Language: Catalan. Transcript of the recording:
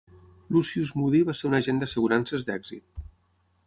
Lucius Moody va ser un agent d'assegurances d'èxit.